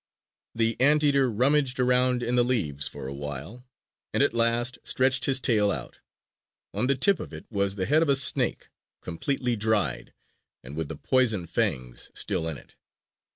The Anteater rummaged around in the leaves for a while and at last stretched his tail out. On the tip of it was the head of a snake, completely dried, and with the poison fangs still in it.